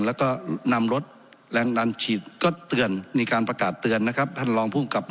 แล้วก็นำรถแรงดันฉีดก็เตือนมีการประกาศเตือนนะครับ